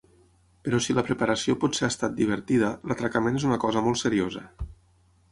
Però si la preparació potser ha estat divertida, l'atracament és una cosa molt seriosa.